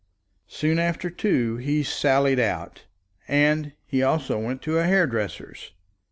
Soon after two he sallied out, and he also went to a hairdresser's.